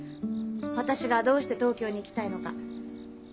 私がどうして東京に行きたいのか。